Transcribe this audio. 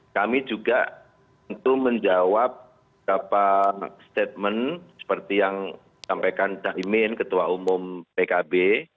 kami juga untuk menjawab beberapa statement seperti yang sampaikan dahi min ketua umum pkb